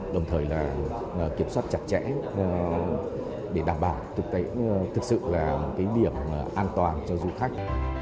đồng thời kiểm soát chặt chẽ để đảm bảo thực sự là một điểm an toàn cho du khách